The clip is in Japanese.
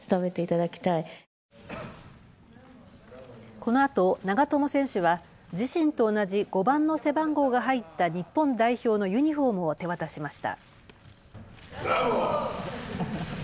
このあと長友選手は自身と同じ５番の背番号が入った日本代表のユニフォームを手渡しました。